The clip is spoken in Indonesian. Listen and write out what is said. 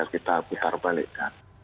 kita putar balik